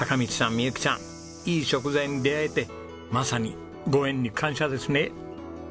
未佑紀さんいい食材に出会えてまさにご縁に感謝ですね。